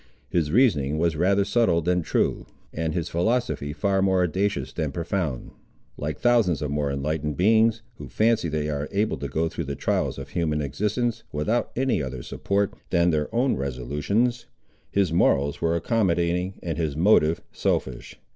His reasoning was rather subtle than true, and his philosophy far more audacious than profound. Like thousands of more enlightened beings, who fancy they are able to go through the trials of human existence without any other support than their own resolutions, his morals were accommodating and his motive selfish.